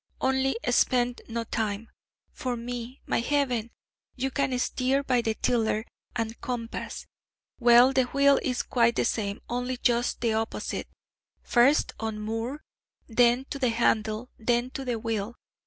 Only, spend no time for me, my heaven! You can steer by the tiller and compass: well, the wheel is quite the same, only just the opposite. First unmoor, then to the handle, then to the wheel.